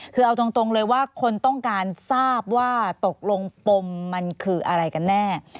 คือเอาตรงเลยว่าคนต้องการทราบว่าตกลงปมมันคืออะไรกันแน่